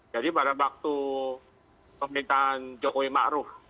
jadi pada waktu pemerintahan jokowi maruf